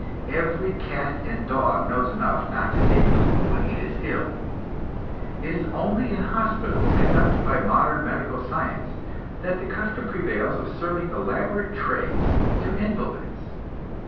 Every cat and dog knows enough not to take food when it is ill; it is only in hospitals conducted by modern medical science that the custom prevails of serving elaborate "trays" to invalids.